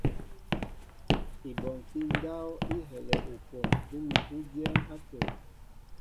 Ibɔnkí ndáp i helɛ ukwon úmi ú dyɛ́ɛ́n átə̂.